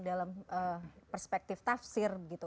dalam perspektif tafsir